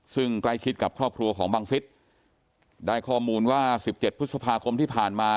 ซึ่งใกล้ชิดกับครอบครัวของบังฟิศได้ข้อมูลว่า๑๗พฤษภาคมที่ผ่านมา